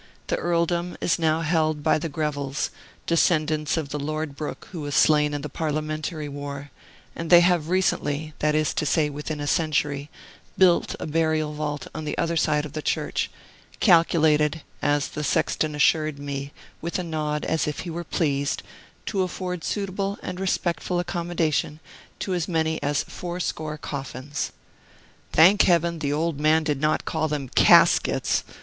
The earldom is now held by the Grevilles, descendants of the Lord Brooke who was slain in the Parliamentary War; and they have recently (that is to say, within a century) built a burial vault on the other side of the church, calculated (as the sexton assured me, with a nod as if he were pleased) to afford suitable and respectful accommodation to as many as fourscore coffins. Thank Heaven, the old man did not call them "CASKETS"!